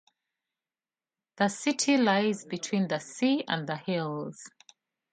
The city lies between the sea and hills.